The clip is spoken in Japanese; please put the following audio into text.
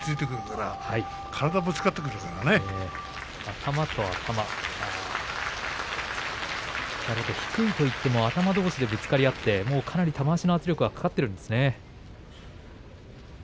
なるほど、低いといっても頭どうしでぶつかり合ってかなり玉鷲の圧力がかかっているんですね。